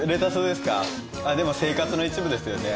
でも生活の一部ですよね。